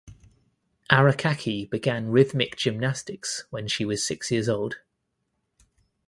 Arakaki began rhythmic gymnastics when she was six years old.